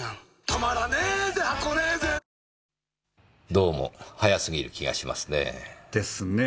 どうも早すぎる気がしますねぇ。ですね。